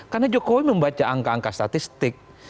karena jokowi membaca angka angka statistik